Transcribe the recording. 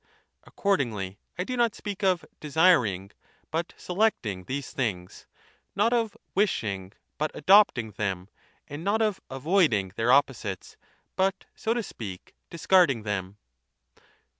Accordingly I do not speak of desiring" but selecting" these things, not of "wishing" but "adopting" them, and not of "avoiding" their opposites but so to speak discarding" them.'